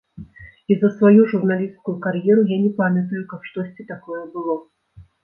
І за сваю журналісцкую кар'еру я не памятаю, каб штосьці такое было.